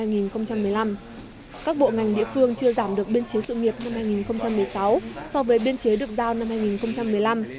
năm hai nghìn một mươi năm các bộ ngành địa phương chưa giảm được biên chế sự nghiệp năm hai nghìn một mươi sáu so với biên chế được giao năm hai nghìn một mươi năm